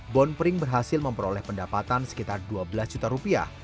bon pring berhasil memperoleh pendapatan sekitar dua belas juta rupiah